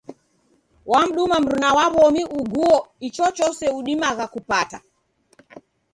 Wamduma mruna wa w'omi uguo ichochose udimagha kupata.